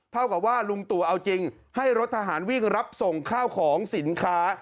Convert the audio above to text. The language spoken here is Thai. เท่ากับว่าลุงตู่เอาจริงให้รถทหารวิ่งรับส่งข้าวของสินค้า